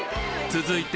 続いて